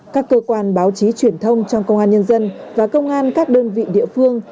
các cơ quan báo chí truyền thông trong công an nhân dân và công an các đơn vị địa phương